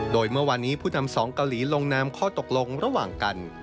โดยเมื่อวานนี้ผู้นำสองเกาหลีลงนามข้อตกลงระหว่างกัน